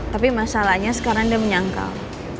tapi masalahnya sekarang dia menyangkal